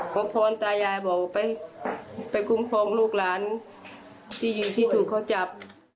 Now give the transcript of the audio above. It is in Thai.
ขอพรตายายบอกไปคุ้มครองลูกหลานที่อยู่ที่ถูกเขาจับ